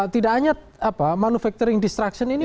tidak hanya manufacturing disruction ini